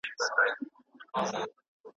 ښکلی زلمی در څخه تللی وم بوډا راځمه .